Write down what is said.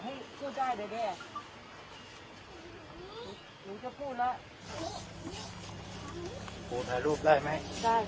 ที่มีชีวิตที่แม่และฝรั่งใดพิธี